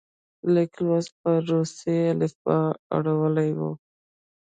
لیک لوست په روسي الفبا اړولی وو.